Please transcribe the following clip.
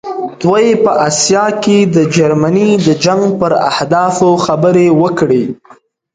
دوی په آسیا کې د جرمني د جنګ پر اهدافو خبرې وکړې.